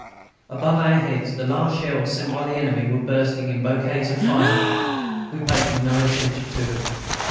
Above our heads the last shells sent by the enemy were bursting in bouquets of fire. We paid no attention to them.